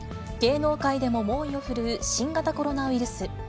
芸能界でも猛威を振るう新型コロナウイルス。